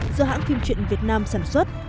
do hãng phim truyện việt nam sản xuất